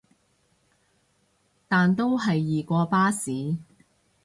但都係易過巴士